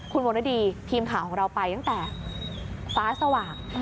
คุณวรดีทีมข่าวของเราไปตั้งแต่ฟ้าสว่าง